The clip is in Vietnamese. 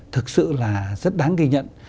thực sự là rất đáng ghi nhận